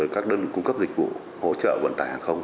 các đơn vị cung cấp dịch vụ hỗ trợ vận tải hàng không